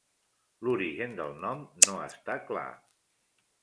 L'origen del nom no està clar.